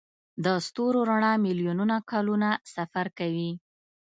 د ستورو رڼا میلیونونه کلونه سفر کوي.